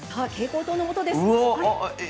蛍光灯のもとです